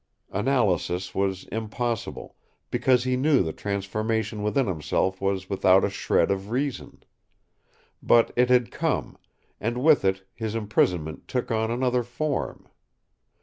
Analysis was impossible, because he knew the transformation within himself was without a shred of reason. But it had come, and with it his imprisonment took on another form.